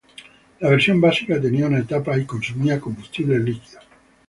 La versión básica tenía una etapa y consumía combustible líquido.